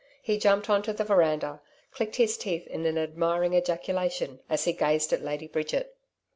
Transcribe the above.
He jumped on to the veranda, clicked his teeth in an admiring ejaculation as he gazed at Lady Bridget.